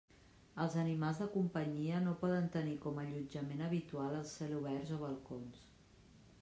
Els animals de companyia no poden tenir com allotjament habitual els celoberts o balcons.